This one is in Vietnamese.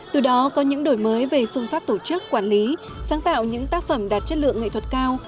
từ đó có những đổi mới về phương pháp tổ chức quản lý sáng tạo những tác phẩm đạt chất lượng nghệ thuật cao